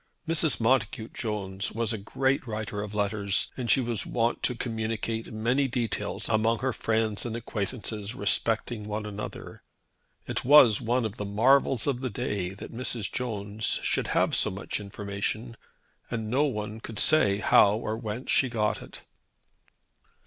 Mrs. Montacute Jones was a great writer of letters, and she was wont to communicate many details among her friends and acquaintances respecting one another. It was one of the marvels of the day that Mrs. Jones should have so much information; and no one could say how or whence she got it.